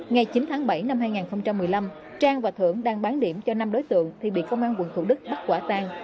ngày chín tháng bảy năm hai nghìn một mươi năm trang và thưởng đang bán điểm cho năm đối tượng thì bị công an quận thủ đức bắt quả tang